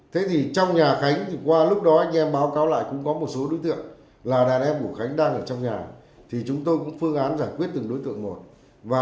thế thì đám gian hồ tự tập các tâm tình của nhà mình